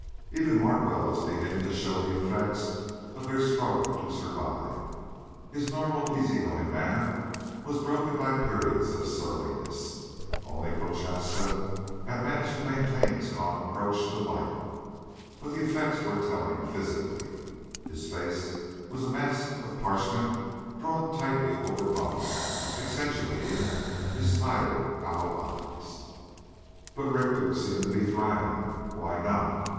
Even Larkwell was beginning to show the affects of their struggle to survive. His normal easygoing manner was broken by periods of surliness. Only Prochaska had managed to maintain his calm approach to life, but the effects were telling physically. His face was a mask of parchment drawn tightly over bone, accentuating his tired hollow eyes. But Richter seemed to be thriving. Why not?